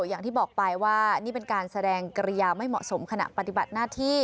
อย่างที่บอกไปว่านี่เป็นการแสดงกริยาไม่เหมาะสมขณะปฏิบัติหน้าที่